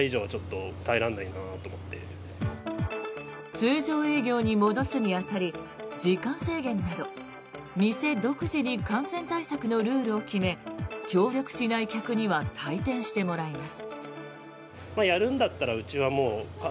通常営業に戻すに当たり時間制限など店独自に感染対策のルールを決め協力しない客には退店してもらいます。